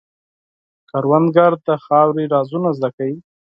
کروندګر د خاورې رازونه زده کوي